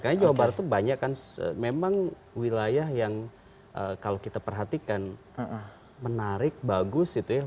karena jawa barat itu banyak kan memang wilayah yang kalau kita perhatikan menarik bagus itu ya